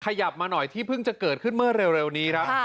ขยับมาหน่อยที่เพิ่งจะเกิดขึ้นเมื่อเร็วนี้ครับ